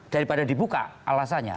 daripada dibuka alasannya